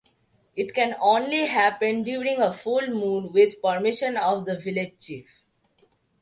It can only happen during a full moon with permission of the village chief.